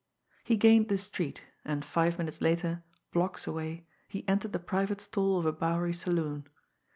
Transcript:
He gained the street; and, five minutes later, blocks away, he entered the private stall of a Bowery saloon.